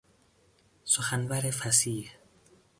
سخنور فصیح